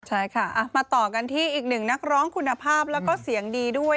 ใช่ค่ะมาต่อกันที่อีกหนึ่งนักร้องคุณภาพแล้วก็เสียงดีด้วย